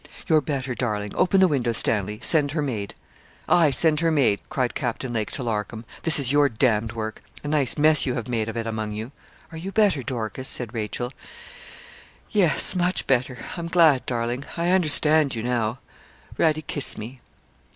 'You're better, darling. Open the window, Stanley. Send her maid.' 'Aye, send her maid,' cried Captain Lake to Larcom. 'This is your d d work. A nice mess you have made of it among you.' 'Are you better, Dorcas?' said Rachel. 'Yes much better. I'm glad, darling, I understand you now. Radie, kiss me.'